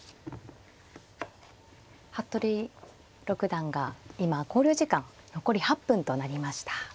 服部六段が今考慮時間残り８分となりました。